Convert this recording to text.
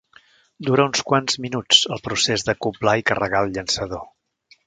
Dura uns quants minuts el procés d'acoblar i carregar el llançador.